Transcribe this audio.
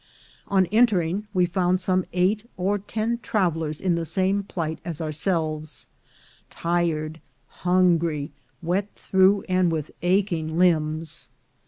On entering we found some eight or ten travelers in the same plight as ourselves, tired, hungry, wet through, and with aching limbs.